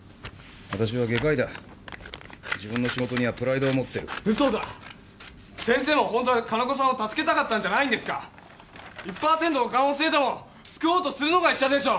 私は外科医だ仕事にはプライドを持ってるウソだ先生も本当は金子さんを助けたかったんじゃないんですか１％の可能性でも救おうとするのが医者でしょ！？